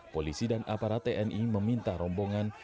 polisi dan aparat tni meminta rombongan